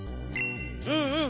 うんうん。